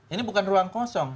ini bukan ruang kosong